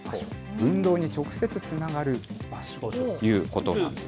運動に直接つながる場所ということなんです。